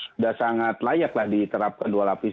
sudah sangat layaklah diterapkan dua lapis